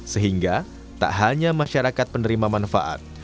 sehingga tak hanya masyarakat penerima manfaat